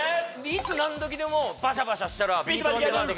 いつ何時でもバシャバシャしたらビート板でガード